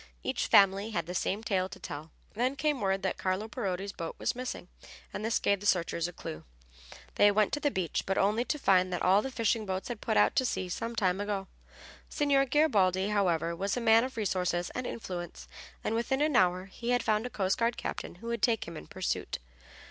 Each family had the same tale to tell. Then came word that Carlo Parodi's boat was missing, and this gave the searchers a clue. They went to the beach, but only to find that all the fishing boats had put out to sea some time ago. Signor Garibaldi, however, was a man of resource and influence, and within an hour he had found a coast guard captain who would take him in pursuit.